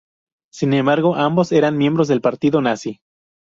Sin embargo, ambos eran miembros del partido nazi.